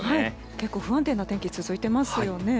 結構不安定な天気が続いているんですよね。